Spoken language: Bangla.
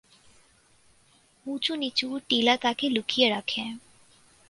উঁচু-নিচু টিলা তাকে লুকিয়ে রাখে।